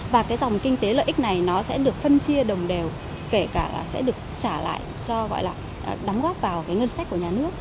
và cái dòng kinh tế lợi ích này nó sẽ được phân chia đồng đều kể cả là sẽ được trả lại cho gọi là đóng góp vào cái ngân sách của nhà nước